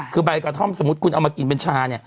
คือใบกระท่อมสมมุติคุณเอามากินเป็นชาเนี่ย